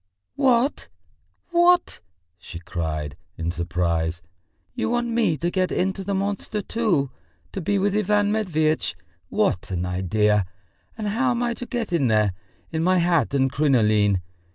"What, what!" she cried, in surprise. "You want me to get into the monster too, to be with Ivan Matveitch? What an idea! And how am I to get in there, in my hat and crinoline?